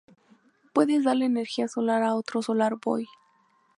Puedes darle energía solar a otro Solar Boy.